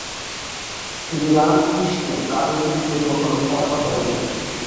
শ্রীরামকৃষ্ণ কারও বিরুদ্ধে কখনও কড়া কথা বলেননি।